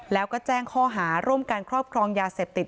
แล้วก็แจ้งข้อหาร่วมการครอบครองยาเสพติด